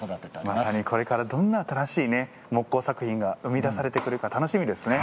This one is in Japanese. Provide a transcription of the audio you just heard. まさにこれからどんな新しい木工作品が生み出されてくるか楽しみですね。